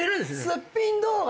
すっぴん動画。